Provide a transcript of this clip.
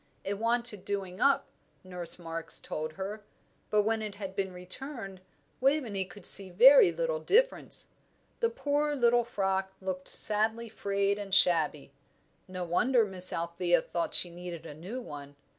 It wanted doing up, Nurse Marks told her. But when it had been returned, Waveney could see very little difference. The poor, little frock looked sadly frayed and shabby; no wonder Miss Althea thought she needed a new one.